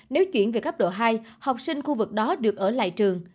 nếu chuyển về cấp độ hai học sinh khu vực đó được ở lại trường